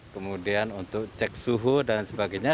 kemudian untuk cek suhu dan sebagainya